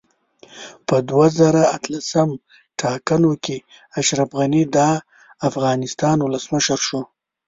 په دوه زره اتلسم ټاکنو کې اشرف غني دا افغانستان اولسمشر شو